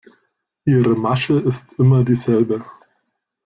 Ihre Masche ist immer dieselbe.